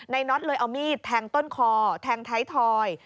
น็อตเลยเอามีดแทงต้นคอแทงท้ายทอย